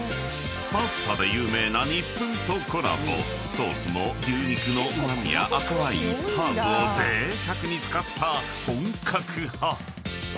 ［ソースも牛肉のうま味や赤ワインハーブをぜいたくに使った本格派］